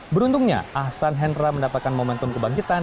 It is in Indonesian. beruntungnya ahsan hendra mendapatkan momentum kebangkitan